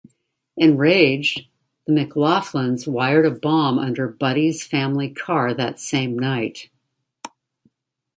Enraged, the McLaughlins wired a bomb under Buddy's family car that same night.